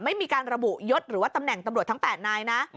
ไม่มีการระบุยศหรือว่าตำแหน่งตำรวจทั้ง๘นายนะ